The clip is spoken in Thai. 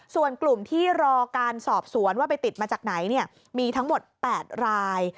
ส่วนกลุ่มที่รอการสอบสวนว่าไปติดมาจากไหนมีทั้งหมด๘ราย